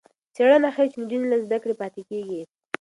څېړنه ښيي چې نجونې له زده کړې پاتې کېږي.